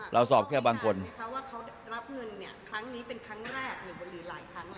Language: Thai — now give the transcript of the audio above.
เราสอบแค่บางคนเขาว่าเขารับเงินเนี้ยครั้งนี้เป็นครั้งแรกหรือหลายครั้งแรก